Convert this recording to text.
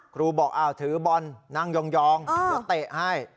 ครูบอกถือบอลนั่งยองเดี๋ยวเตะให้